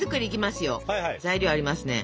材料ありますね。